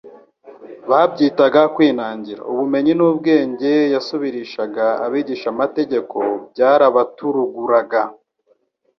babyitaga kwinangira. Ubumenyi n'ubwenge yasubirishaga abigishamategeko byarabaturuguraga.